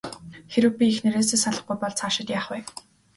Хэрэв би эхнэрээсээ салахгүй бол цаашид яах вэ?